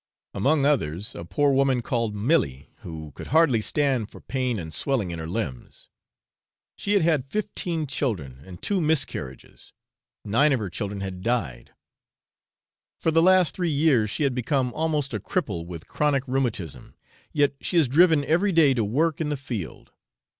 Among others, a poor woman called Mile, who could hardly stand for pain and swelling in her limbs; she had had fifteen children and two miscarriages, nine of her children had died; for the last three years she had become almost a cripple with chronic rheumatism, yet she is driven every day to work in the field.